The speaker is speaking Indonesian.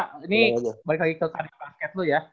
kak ini balik lagi ke tarif basket lu ya